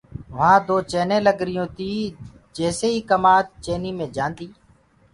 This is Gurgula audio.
وهآ دو چيني لگريٚونٚ تي جيسي ئي ڪمآد چينيٚ مي جآنديٚ۔